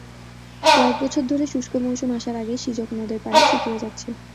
কয়েক বছর ধরে শুষ্ক মৌসুম আসার আগেই শিজক নদের পানি শুকিয়ে যাচ্ছে।